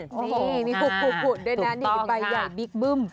นี่มีคุกด้วยนะใบใหญ่บิ๊กบึ้ม